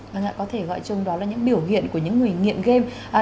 vâng ạ có thể gọi chung đó là những biểu hiện của những người nghiện game